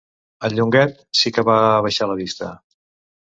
El Llonguet sí que va abaixar la vista.